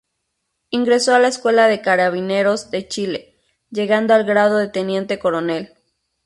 Ingresó a la Escuela de Carabineros de Chile, llegando al grado de Teniente Coronel.